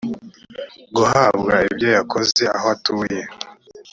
guhabwa ibyo yakoze aho atuye